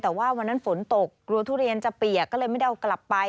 แต่ว่าวันนั้นฝนตกกลัวทุเรียนจะเปียกก็เลยไม่ได้เอากลับไป